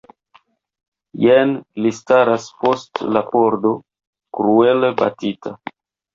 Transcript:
Jen li staras post la pordo, kruele batita!